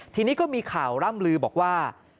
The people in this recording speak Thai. ทีนี้ก็มีข่าวร่ำลือบอกว่า